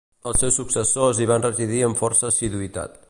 Els seus successors hi van residir amb força assiduïtat.